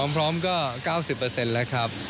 พร้อมก็๙๐แล้วครับ